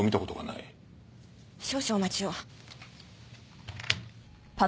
少々お待ちを。